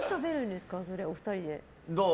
どう？